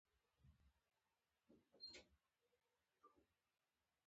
ایا ستاسو عزم به نه سستیږي؟